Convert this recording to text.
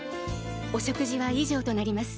お食事は以上となります。